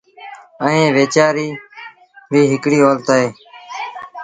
ائيٚݩ ويچآريٚ ريٚ هڪڙي اولت اهي